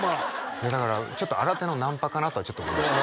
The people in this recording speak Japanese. いやだからちょっと新手のナンパかなとはちょっと思いました